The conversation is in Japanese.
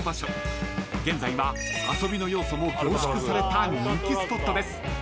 現在は遊びの要素も凝縮された人気スポットです］